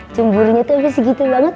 cumbulnya tuh abis gitu banget